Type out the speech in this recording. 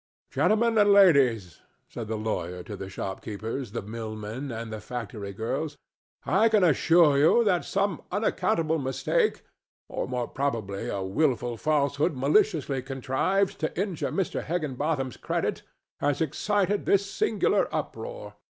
"Gentlemen and ladies," said the lawyer to the shopkeepers, the mill men and the factory girls, "I can assure you that some unaccountable mistake—or, more probably, a wilful falsehood maliciously contrived to injure Mr. Higginbotham's credit—has excited this singular uproar.